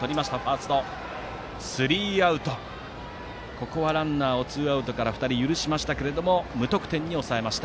ここはランナーをツーアウトから２人許しましたが無得点に抑えました。